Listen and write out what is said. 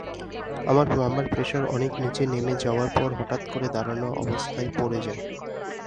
আমার মামার প্রেসার অনেক নিচে নেমে যাওয়ার পর হঠাৎ করে দাঁড়ানো অবস্থায় পরে যায়।